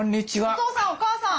お父さんお母さん！